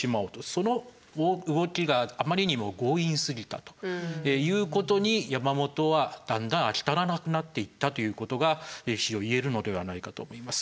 その動きがあまりにも強引すぎたということに山本はだんだん飽き足らなくなっていったということが歴史上言えるのではないかと思います。